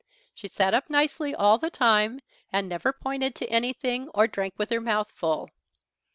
She sat up nicely all the time, and never pointed to anything or drank with her mouth full.